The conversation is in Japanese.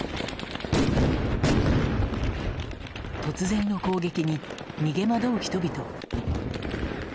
突然の攻撃に、逃げ惑う人々。